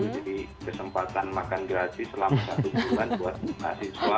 jadi kesempatan makan gratis selama satu bulan buat asin swastika